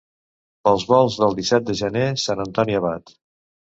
Pels volts del disset de gener, Sant Antoni Abat.